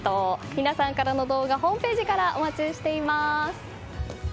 皆さんからの動画ホームページからお待ちしています。